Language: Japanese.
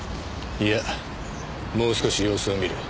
いやもう少し様子を見る。